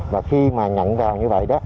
và khi mà nhận vào như vậy đó